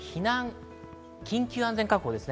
緊急安全確保です。